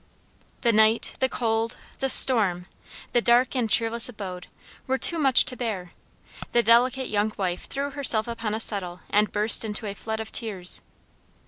The night, the cold, the storm, the dark and cheerless abode, were too much to bear; the delicate young wife threw herself upon a settle and burst into a flood of tears.